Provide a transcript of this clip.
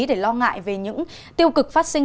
để lo ngại về những tiêu cực phát sinh